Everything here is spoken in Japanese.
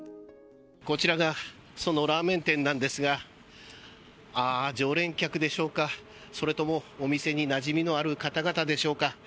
こちらがそのラーメン店なんですが常連客でしょうか、それともお店になじみのある方々でしょうか。